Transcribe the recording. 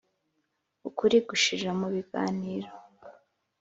Ukuri gushirira mu biganiro.